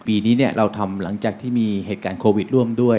ปีนี้เราทำหลังจากที่มีเหตุการณ์โควิดร่วมด้วย